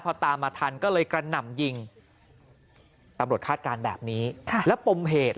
พอตามมาทันก็เลยกระหน่ำยิงตำรวจคาดการณ์แบบนี้แล้วปมเหตุ